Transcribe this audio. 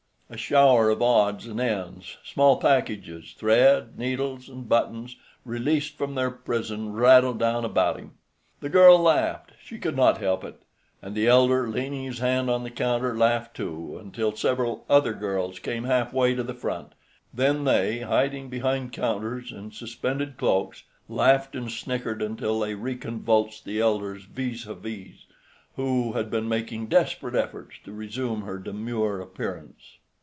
A shower of odds and ends, small packages, thread, needles, and buttons, released from their prison, rattled down about him. The girl laughed. She could not help it. And the elder, leaning his hand on the counter, laughed, too, until several other girls came half way to the front. Then they, hiding behind counters and suspended cloaks, laughed and snickered until they reconvulsed the elder's vis à vis, who had been making desperate efforts to resume her demure appearance.